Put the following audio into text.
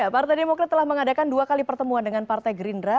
partai demokrat telah mengadakan dua kali pertemuan dengan partai gerindra